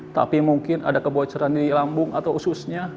tapi mungkin ada kebocoran di lambung atau ususnya